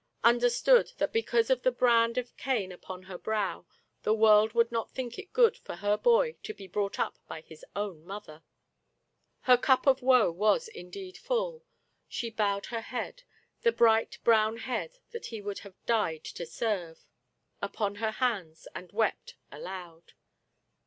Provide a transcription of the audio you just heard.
Understood, that be cause of the brand of Cain upon her brow, the world would not think it good for her boy to be brought up by his own mother ! Her cup of woe was indeed full. She bowed her head — the bright brown head that he would have died to serve — upon her hands, and wept aloud.